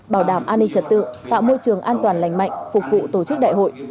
bảo đảm an ninh trật tự tạo môi trường an toàn lành mạnh phục vụ tổ chức đại hội